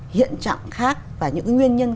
hiện trạng khác và những nguyên nhân